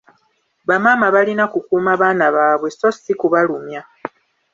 Bamaama balina kukuuma baana baabwe so ssi kubalumya.